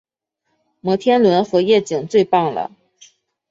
摩天轮和夜景最棒了